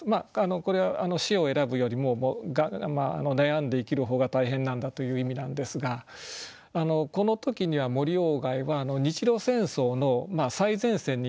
これは死を選ぶよりも悩んで生きる方が大変なんだという意味なんですがこの時には森鴎外は日露戦争の最前線にいたわけです。